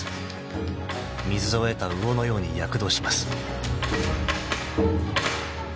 ［水を得た魚のように躍動します］